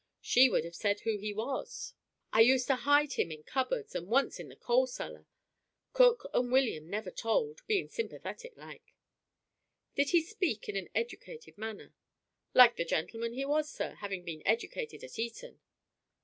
She would have said who he was. I used to hide him in cupboards, and once in the coal cellar. Cook and William never told, being sympathetic like!" "Did he speak in educated manner?" "Like the gentleman he was, sir, having been educated at Eton."